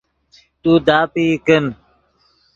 تو داپئی کن